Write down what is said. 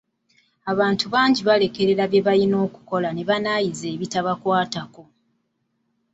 Abantu bangi balekerera bye balina okukola ne banaayiza ebitabakwatako.